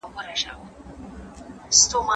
د فاسدي نکاح په صورت کي جماع کول د مصاهرت حرمت ثابتوي.